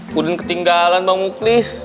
pudin ketinggalan bang muklis